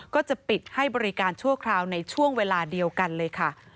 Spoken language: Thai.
ก็จะปิดให้บริการชั่วคราวในช่วงเวลาเดียวกันเลยค่ะ